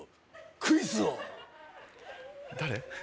クイズ王誰？